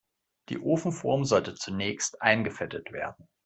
Die Ofenform sollte zunächst eingefettet werden.